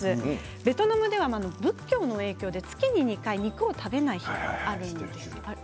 ベトナムでは仏教の影響で月に２回、肉を食べない日があるんです。